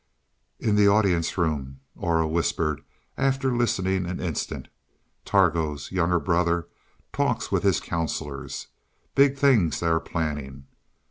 "In the audience room," Aura whispered, after listening an instant, "Targo's younger brother talks with his counsellors. Big things they are planning."